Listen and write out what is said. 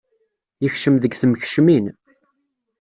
Yekcem deg temkecmin.